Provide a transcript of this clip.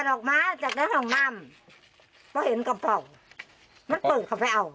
ออกมาจากในห้องน้ำเพราะเห็นกระเพาะมันเปิดเข้าไปเอา